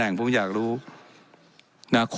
และยังเป็นประธานกรรมการอีก